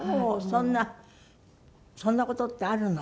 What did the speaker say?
そんなそんな事ってあるの？